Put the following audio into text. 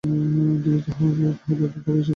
যদি তাহা থাকিত, তবে ঈশ্বর বিশ্ব দ্বারা সীমাবদ্ধ হইতেন।